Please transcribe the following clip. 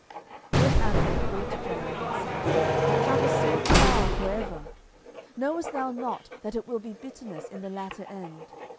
10:002:026 Then Abner called to Joab, and said, Shall the sword devour for ever? knowest thou not that it will be bitterness in the latter end?